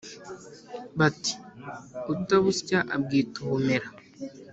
bati: “utabusya abwita ubumera!”